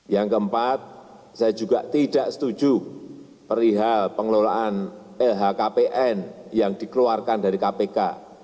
yang keempat saya juga tidak setuju perihal pengelolaan lhkpn yang dikeluarkan dari kpk